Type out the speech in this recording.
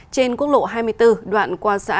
trên quốc lộ hai mươi bốn đoạn qua xã